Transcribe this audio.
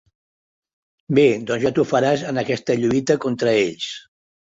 Bé, doncs ja t'ho faràs en aquesta lluita contra ells.